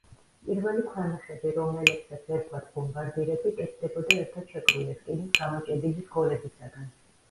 პირველი ქვემეხები, რომელებსაც ერქვათ ბომბარდირები, კეთდებოდა ერთად შეკრული რკინის გამოჭედილი რგოლებისაგან.